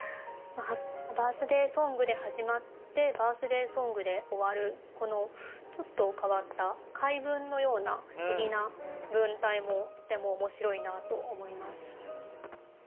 バースデー・ソングで始まってバースデー・ソングで終わるこのちょっと変わった回文のような不思議な文体もとても面白いなと思います。